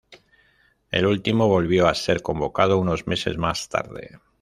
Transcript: El último volvió a ser convocado unos meses más tarde.